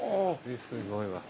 すごいわ。